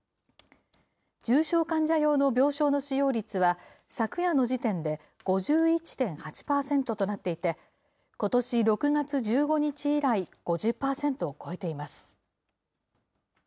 重症患者用の病床の使用率は、昨夜の時点で５１．８％となっていて、ことし６月１５日以来、５０％を超えています。